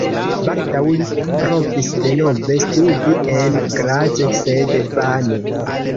Baldaŭ li provis denove studi en Graz, sed vane.